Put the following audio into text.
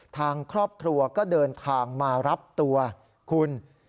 ทางครอบครัวก็เดินทางมารับตัวคุณ